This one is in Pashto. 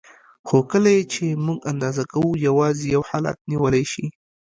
خو کله یې چې موږ اندازه کوو یوازې یو حالت نیولی شي.